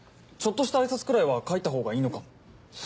ちょっとした挨拶くらいは書いたほうがいいのかも。